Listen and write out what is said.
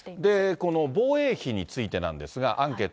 この防衛費についてなんですが、アンケート。